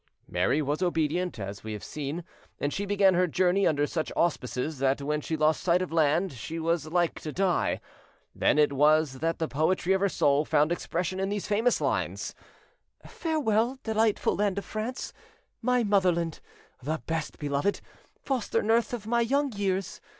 Mary was obedient, as we have seen, and she began her journey under such auspices that when she lost sight of land she was like to die. Then it was that the poetry of her soul found expression in these famous lines: "Farewell, delightful land of France, My motherland, The best beloved! Foster−nurse of my young years!